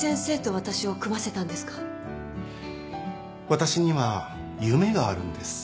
私には夢があるんです。